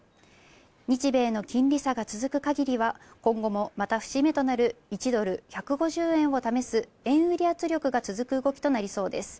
日米の金利差が続く限りは今後もまた節目となる１ドル＝１５０円を試す円売り圧力が続く動きとなりそうです。